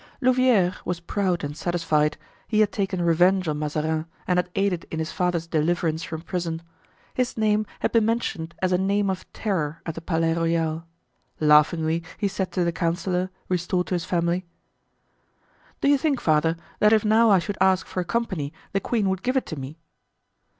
Louvieres was proud and satisfied; he had taken revenge on Mazarin and had aided in his father's deliverance from prison. His name had been mentioned as a name of terror at the Palais Royal. Laughingly he said to the councillor, restored to his family: "Do you think, father, that if now I should ask for a company the queen would give it to me?"